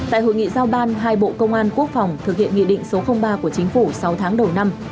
tại hội nghị giao ban hai bộ công an quốc phòng thực hiện nghị định số ba của chính phủ sáu tháng đầu năm